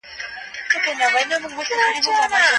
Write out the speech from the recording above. لوستې نجونې د کورني مسایلو حل زده کوي.